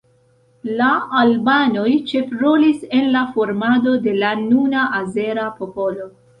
La albanoj ĉefrolis en la formado de la nuna azera popolo.